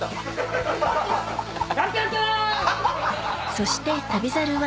そして『旅猿』は